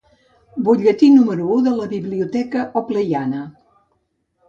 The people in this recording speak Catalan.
Butlletí número u de la «Biblioteca Oplepiana».